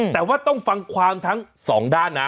แต่ว่าต้องฟังความทั้งสองด้านนะ